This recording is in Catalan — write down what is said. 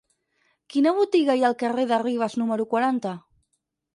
Quina botiga hi ha al carrer de Ribes número quaranta?